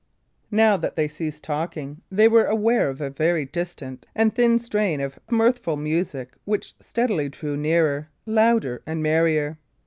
Now that they ceased talking, they were aware of a very distant and thin strain of mirthful music which steadily drew nearer, louder, and merrier.